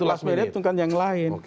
last minute menentukan yang lain